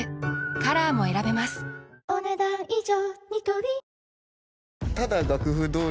カラーも選べますお、ねだん以上。